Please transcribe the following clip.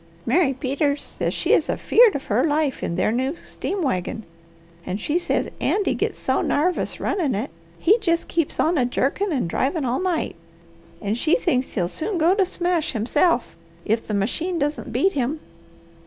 Mary Peters says she is afeared of her life in their new steam wagon, and she says Andy gits so narvous runnin' it, he jest keeps on a jerkin' and drivin' all night, and she thinks he'll soon go to smash himself, if the machine doesn't beat him.